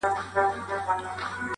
• ګواکي« هغسي غر هغسي کربوړی -